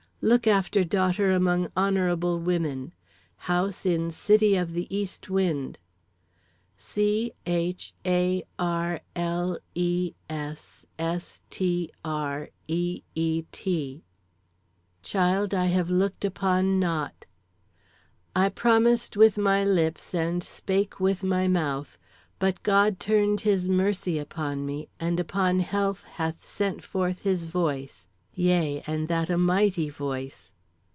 "Look after daughter among honorable women. House in City of the East Wind. [Footnote: Number omitted for obvious reasons.]" C H A R L E S S T R E E T. "Child I have looked upon not. "I promised with my lips and spake with my mouth, but God turned his mercy upon me, and upon health hath sent forth his voice, yea, and that a mighty voice.